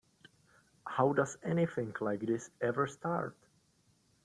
How does anything like this ever start?